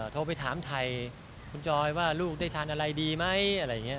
โทรไปถามไทยคุณจอยว่าลูกได้ทานอะไรดีไหมอะไรอย่างนี้